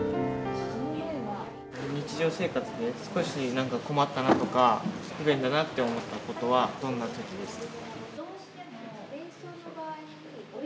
日常生活で少し困ったなとか不便だなって思ったことはどんな時ですか？